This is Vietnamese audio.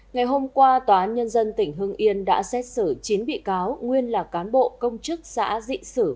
ngày hôm qua tòa án nhân dân tỉnh hưng yên đã xét xử chín bị cáo nguyên là cán bộ công chức xã dị sử